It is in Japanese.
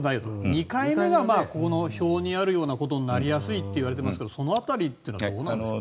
２回目がこの表にあるようなことになりやすいと言われていますがその辺りはどうなんでしょう。